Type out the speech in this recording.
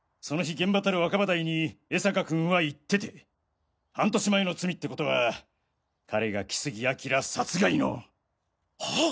現場たる若葉台に江坂君は行ってて半年前の罪ってことは彼が木杉彬殺害の。は。